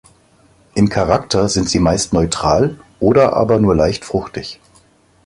Im Charakter sind sie meist neutral oder aber nur leicht fruchtig.